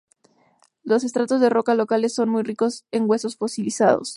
Los estratos de roca locales son muy ricos en huesos fosilizados.